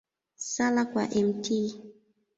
Sala kwa Mt.